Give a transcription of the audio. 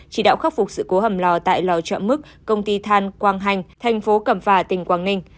chỉ đạo khắc phục sự cố hầm lò tại lò chợ mức công ty than quang hành thành phố cẩm phả tỉnh quảng ninh